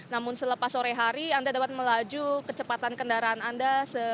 namun selepas sore hari anda dapat melaju kecepatan kendaraan anda